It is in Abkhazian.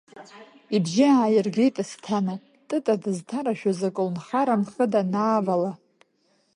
Ибжьы ааиргеит Асҭана, Тыта дызҭарашәоз аколнхара амхы данаавала.